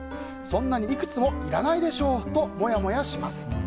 そんなにいくつもいらないでしょとモヤモヤします。